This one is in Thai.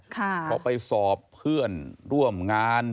ก็ไปสอบเพื่อนร่วมงาน